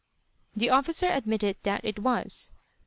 The officer admitted that it was.